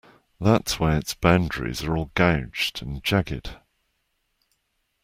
That's why its boundaries are all gouged and jagged.